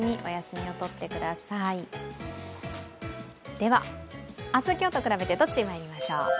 では、明日、今日とくらべてどっち、いきましょう。